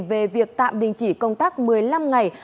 về việc tạm đình chỉ công tác một mươi năm ngày